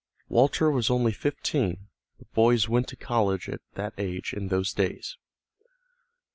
Walter was only fifteen, but boys went to college at that age in those days.